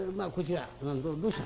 「どうした？」。